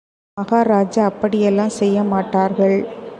மகாராஜா அப்படி எல்லாம் செய்ய மாட்டார்கள்.